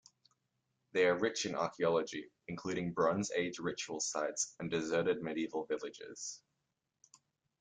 They are rich in archaeology, including Bronze Age ritual sites and deserted medieval villages.